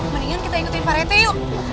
mendingan kita ikutin pak rete yuk